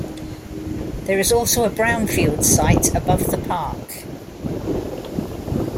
There is also a brownfield site above the park.